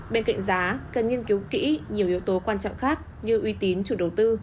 bên cạnh giá cần nghiên cứu kỹ nhiều yếu tố quan trọng khác như uy tín chủ đầu tư